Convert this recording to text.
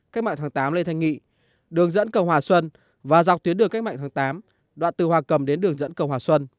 cách mạng tháng tám lê thanh nghị đường dẫn cầu hòa xuân và dọc tuyến đường cách mạng tháng tám đoạn từ hòa cầm đến đường dẫn cầu hòa xuân